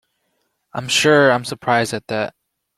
I'm sure I'm surprised at that.